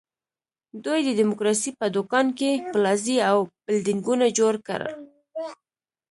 دوی د ډیموکراسۍ په دوکان کې پلازې او بلډینګونه جوړ کړل.